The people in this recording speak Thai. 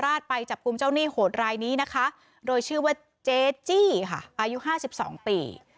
ธรรมราชไปจับกุมเจ้าหนี้โหดรายนี้โดยชื่อเจ๊จี้อายุ๕๒ปี